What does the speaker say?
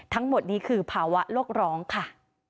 ทั้งหมดนี้คือภาวะโลกร้องค่ะ